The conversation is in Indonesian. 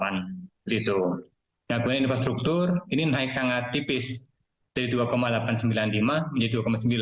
nah kemudian infrastruktur ini naik sangat tipis dari dua delapan ratus sembilan puluh lima menjadi dua sembilan